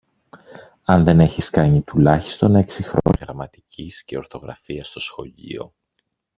αν δεν έχεις κάνει τουλάχιστον έξι χρόνια γραμματικής και ορθογραφίας στο σχολείο